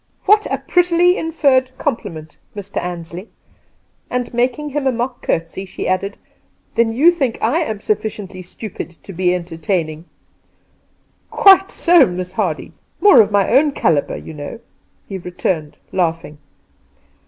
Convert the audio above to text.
' What a prettily inferred compliment, Mr. Ansley!' and, making him a mock curtsey, she added, ' Then you think / am sufficiently stupid to be entertaining ?'' Quite so, Miss Hardy — more of my own calibre, you know,' he returned, laughing.